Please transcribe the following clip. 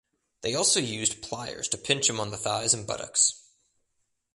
They also used pliers to pinch him on the thighs and buttocks.